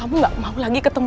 papa akan jadi jagoan cherry